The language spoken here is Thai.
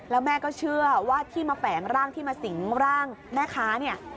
แล้วแม่ก็เชื่อว่าที่มาแฝงร่างที่มาสิงร่างแม่ค้าเนี่ย